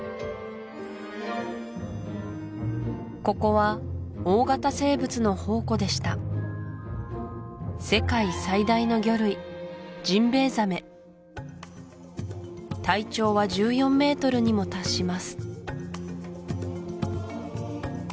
ここは大型生物の宝庫でした世界最大の魚類ジンベエザメ体長は１４メートルにも達します